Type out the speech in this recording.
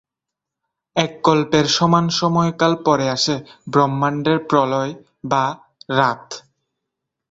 এক কল্পের সমান সময়কাল পরে আসে ব্রহ্মাণ্ডের প্রলয় বা রাত।